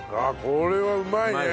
これはうまいね！